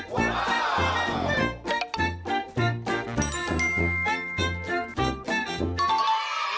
ว้าว